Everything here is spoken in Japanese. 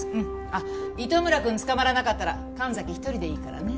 あっ糸村くんつかまらなかったら神崎一人でいいからね。